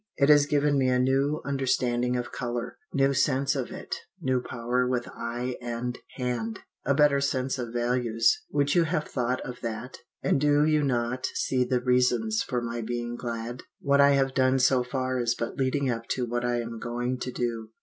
It has given me a new understanding of colour new sense of it, new power with eye and hand, a better sense of values. Would you have thought of that? And do you not see the reasons for my being glad? "What I have done so far is but leading up to what I am going to do.